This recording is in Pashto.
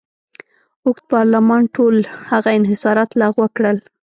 اوږد پارلمان ټول هغه انحصارات لغوه کړل.